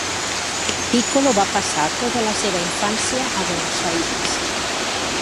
Piccolo va passar tota la seva infància a Buenos Aires.